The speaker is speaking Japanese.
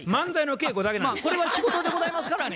これは仕事でございますからね。